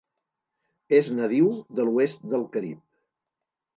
És nadiu de l'oest del Carib.